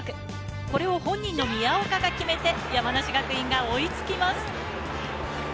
これを本人の宮岡が決めて、山梨学院が追いつきます。